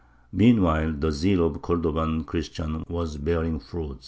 Meanwhile the zeal of the Cordovan Christians was bearing fruit.